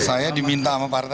saya diminta sama partai